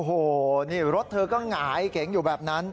โอ้โหนี่รถเธอก็หงายเก๋งอยู่แบบนั้น